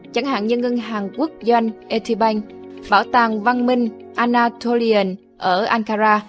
chẳng hạn như ngân hàng quốc doanh atibank bảo tàng văn minh anatolian ở ankara